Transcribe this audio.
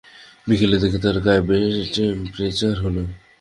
বিকেলের দিকে তাঁর গায়ে বেশ টেম্পারেচার হলো।